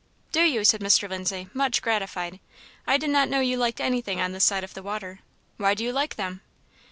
"Do you?" said Mr. Lindsay much gratified. "I did not know you liked anything on this side of the water. Why do you like them?"